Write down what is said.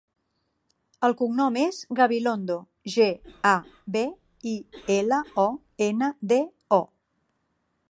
El cognom és Gabilondo: ge, a, be, i, ela, o, ena, de, o.